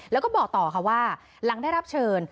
แล้วก็บอกต่อค่ะว่าหลังได้รับเชิญ